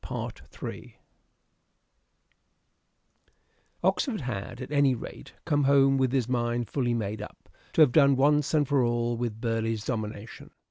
Oxford's Oxford had at any rate come home with his mind y' fully made up to have done once and for all with Burleigh's domination.